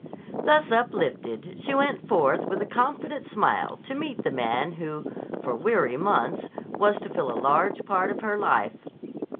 Thus uplifted she went forth with a confident smile to meet the man who, for weary months, was to fill a large part of her life.